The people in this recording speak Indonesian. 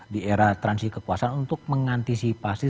di era transisi kekuasaan untuk mengantisipasi